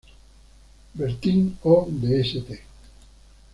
Bertín o de St.